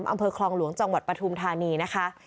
อำเภอคลองหลวงจังหวัดปฐุมธานีนะคะ